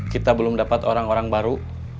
kita belum dapat orang orang baru